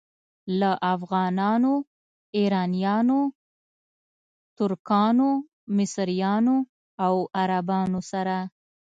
له افغانانو، ایرانیانو، ترکانو، مصریانو او عربانو سره.